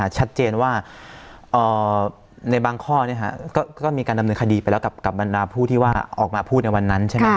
ชัดเจนว่าในบางข้อก็มีการดำเนินคดีไปแล้วกับบรรดาผู้ที่ว่าออกมาพูดในวันนั้นใช่ไหม